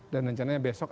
dan rencananya besok